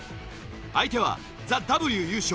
相手はＴＨＥＷ優勝